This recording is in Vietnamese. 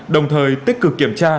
đồng thời tích cực kiểm tra